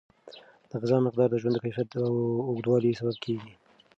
د غذا مقدار د ژوند د کیفیت او اوږدوالي سبب کیږي.